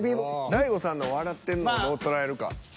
大悟さんの笑ってんのをどう捉えるか。